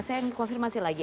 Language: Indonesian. saya ingin konfirmasi lagi